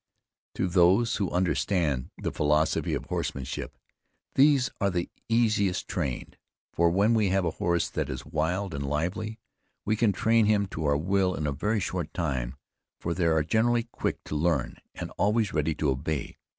To those who understand the philosophy of horsemanship, these are the easiest trained; for when we have a horse that is wild and lively, we can train him to our will in a very short time; for they are generally quick to learn, and always ready to obey.